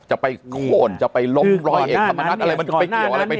จะไปโคนจะไปล้มรอยเห็ดเห็นกับมนัส